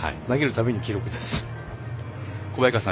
投げるたびに記録です。